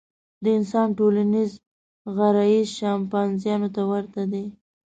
د انسان ټولنیز غرایز شامپانزیانو ته ورته دي.